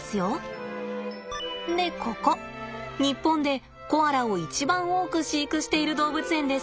でここ日本でコアラを一番多く飼育している動物園です。